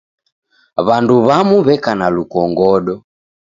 W'andu w'amu w'eka na lukongodo.